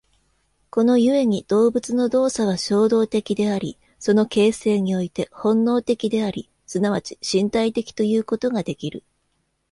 この故に動物の動作は衝動的であり、その形成において本能的であり、即ち身体的ということができる。